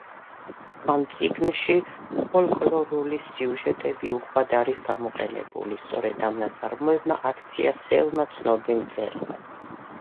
ამ წიგნში ფოლკლორული სიუჟეტები უხვად არის გამოყენებული, სწორედ ამ ნაწარმოებმა აქცია სელმა ცნობილ მწერლად.